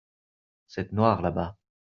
cette noire là-bas.